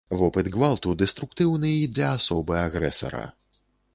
Вопыт гвалту дэструктыўны і для асобы агрэсара.